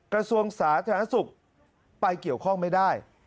กระทรวงสาธารณสุขไปเกี่ยวข้องไม่ได้